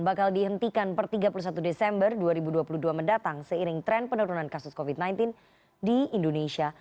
bakal dihentikan per tiga puluh satu desember dua ribu dua puluh dua mendatang seiring tren penurunan kasus covid sembilan belas di indonesia